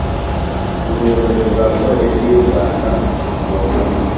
Ubuyobozi bwa Polisi y u Rwanda bugomba